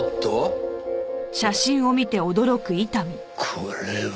これは。